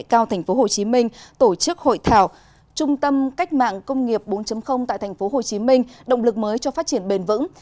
cao tp hcm tổ chức hội thảo trung tâm cách mạng công nghiệp bốn tại tp hcm động lực mới cho phát triển bền vững